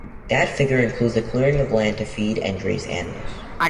That figure includes the clearing of land to feed and graze the animals.